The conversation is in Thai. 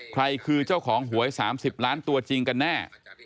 ใครคือเจ้าของหวย๓๐ล้านตัวจริงกันแน่